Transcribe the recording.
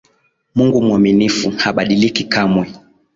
Mungu mwaminifu, habadiliki kamwe.